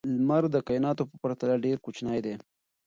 لمر د کائناتو په پرتله ډېر کوچنی دی.